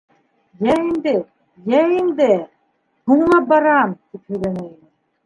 —Йә инде, йә инде, һуңлап барам! —тип һөйләнә ине.